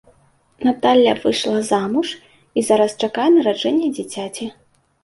Наталля выйшла замуж і зараз чакае нараджэння дзіцяці.